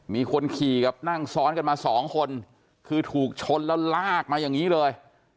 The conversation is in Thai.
มีคนขี่กับนั่งซ้อนกันมาสองคนคือถูกชนแล้วลากมาอย่างนี้เลย